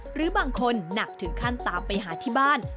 หรือบางคนหนักถึงขั้นตามไปหาที่บ้าน